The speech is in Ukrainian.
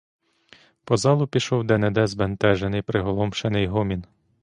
По залу пішов де-не-де збентежений, приголомшений гомін.